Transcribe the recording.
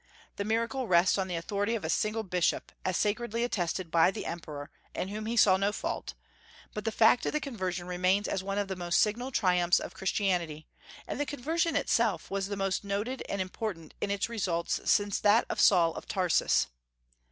The miracle rests on the authority of a single bishop, as sacredly attested by the emperor, in whom he saw no fault; but the fact of the conversion remains as one of the most signal triumphs of Christianity, and the conversion itself was the most noted and important in its results since that of Saul of Tarsus.